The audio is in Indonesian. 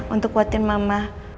untuk kuatin mama